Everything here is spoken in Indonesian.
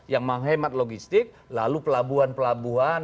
yang menghemat logistik lalu pelabuhan pelabuhan